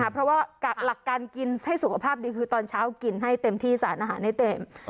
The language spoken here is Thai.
เพราะว่าหลักการกินให้สุขภาพดีคือตอนเช้ากินให้เต็มที่สารอาหารให้เต็ม